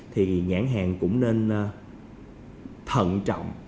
thì nhãn hàng cũng nên thận trọng